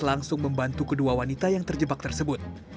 langsung membantu kedua wanita yang terjebak tersebut